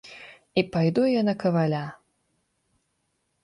І пайду я на каваля.